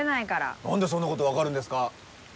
何でそんなことが分かるんですか？